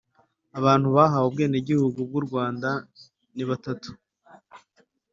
Abantu bahawe Ubwenegihugu bw’ u Rwanda nibatatu